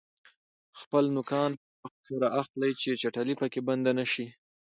خپلې نوکان په وخت سره اخلئ چې چټلي پکې بنده نشي.